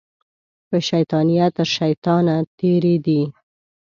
په شیطانیه تر شیطانه تېرې دي